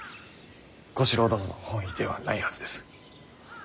小四郎殿の本意ではないはずです。